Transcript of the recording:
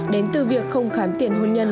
đến từ việc không khám tiền hôn nhân